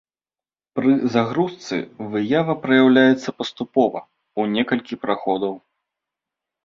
Пры загрузцы выява праяўляецца паступова, у некалькі праходаў.